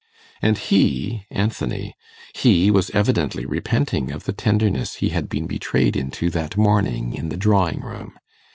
And he Anthony he was evidently repenting of the tenderness he had been betrayed into that morning in the drawing room.